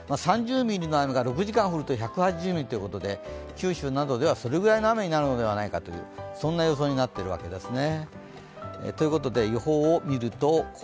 ３０ミリの雨が６時間降ると１８０ミリということで九州などでは、それぐらいの雨になるのではないかという、そんな予想になってるんですね。